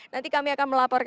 nanti kami akan melaporkan